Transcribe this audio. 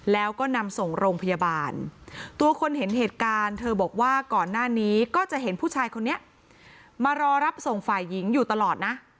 แล้วก็นำส่งโรงพยาบาลตัวคนเห็นเหตุการณ์เธอบอกว่าก่อนหน้านี้ก็จะเห็นผู้ชายคนนี้มารอรับส่งฝ่ายหญิงอยู่ตลอดนะ